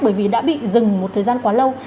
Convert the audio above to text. bởi vì đã bị dừng một thời gian quá lâu